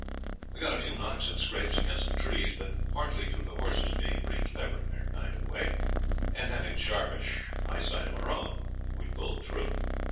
We got a few knocks and scrapes against the trees, but, partly through the horses being pretty clever in their kind of way, and having sharpish eyesight of our own, we pulled through.